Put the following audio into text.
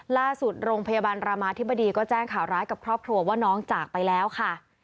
โรงพยาบาลรามาธิบดีก็แจ้งข่าวร้ายกับครอบครัวว่าน้องจากไปแล้วค่ะ